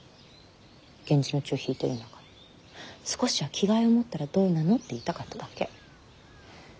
源氏の血を引いてるんだから少しは気概を持ったらどうなのって言いたかっただけ。